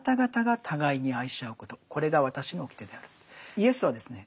イエスはですね